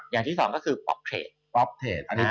อย่างที่สองก็คือป๊อปเทรด